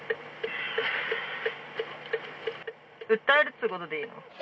訴えるっていうことでいい？